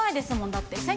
だって。